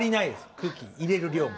空気入れる量が。